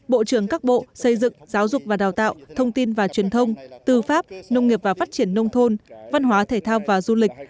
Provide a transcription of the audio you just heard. bộ trưởng các bộ xây dựng giáo dục và đào tạo thông tin và truyền thông tư pháp nông nghiệp và phát triển nông thôn văn hóa thể thao và du lịch